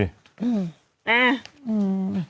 เอ้า